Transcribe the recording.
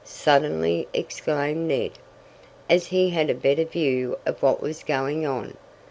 suddenly exclaimed Ned, as he had a better view of what was going on.